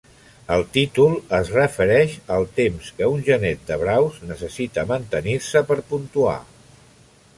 El títol es refereix al temps que un genet de braus necessita mantenir-se per puntuar.